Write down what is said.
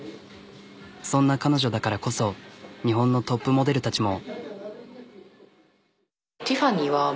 そんな彼女だからこそ日本のトップモデルたちも。